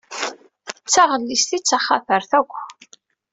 D taɣellist i d taxatart akk.